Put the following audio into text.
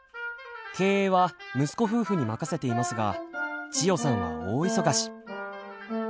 経営は息子夫婦に任せていますが千代さんは大忙し。